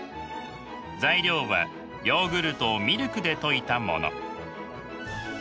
材料はヨーグルトをミルクで溶いたもの。